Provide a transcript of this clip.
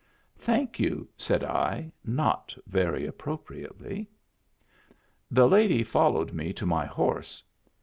" Thank you," said I, not very appropriately. The lady followed me to my horse.